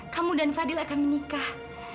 kamu dan fadil akan menikah